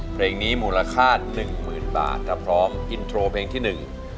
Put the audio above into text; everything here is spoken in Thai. เพลงนี้มูลค่าหนึ่งหมื่นบาทถ้าพร้อมอินโทรเพลงที่หนึ่ง